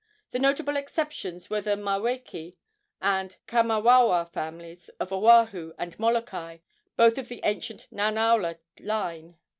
The notable exceptions were the Maweke and Kamauaua families of Oahu and Molokai, both of the ancient Nanaula line.